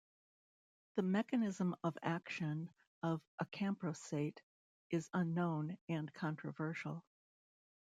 The mechanism of action of acamprosate is unknown and controversial.